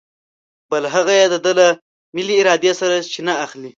بل هغه یې د ده له ملې ارادې سرچینه اخلي.